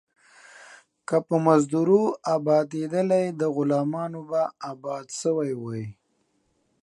که په مزدور ابآتيدلاى ، ده غلامان به ابات سوي واى.